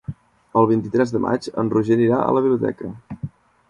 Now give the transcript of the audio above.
El vint-i-tres de maig en Roger anirà a la biblioteca.